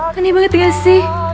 kan ya banget gak sih